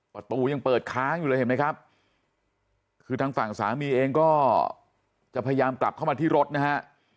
ประตูยังเปิดค้างอยู่เลยเห็นไหมครับคือทางฝั่งสามีเองก็จะพยายามกลับเข้ามาที่รถนะฮะ